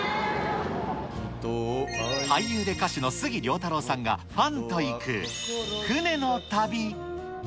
俳優で歌手の杉良太郎さんがファンと行く船の旅。